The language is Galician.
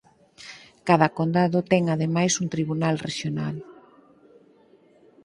Cada condado ten ademais un Tribunal rexional.